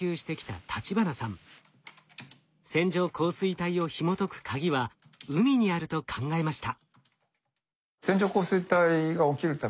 線状降水帯をひもとくカギは海にあると考えました。